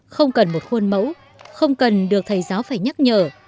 không cần một khuôn mẫu không cần được thầy giáo phải nhắc nhở